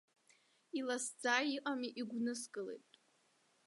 Иласӡа иҟами, игәныскылеит.